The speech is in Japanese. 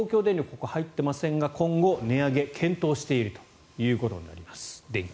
ここに入っていませんが今後、値上げを検討しているということになります、電気。